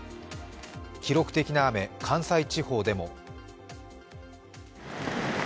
記録的な雨、関西地方でも。